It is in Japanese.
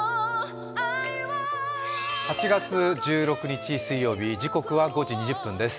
８月１６日水曜日、時刻は５時２０分です。